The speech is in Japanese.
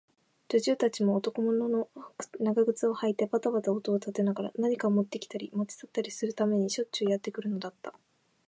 女中たちも、男物の長靴をはいてばたばた音を立てながら、何かをもってきたり、もち去ったりするためにしょっちゅうやってくるのだった。